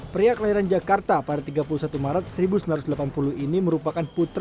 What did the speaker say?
pria kelahiran jakarta pada tiga puluh satu maret seribu sembilan ratus delapan puluh ini merupakan putra